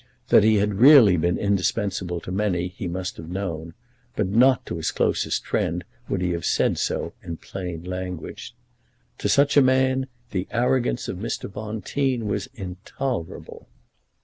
That he had really been indispensable to many he must have known, but not to his closest friend would he have said so in plain language. To such a man the arrogance of Mr. Bonteen was intolerable.